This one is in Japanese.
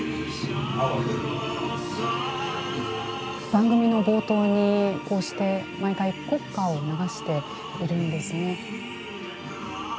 番組の冒頭にこうして毎回国歌を流しているんですね。